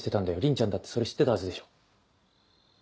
鈴ちゃんだってそれ知ってたはずでしょ。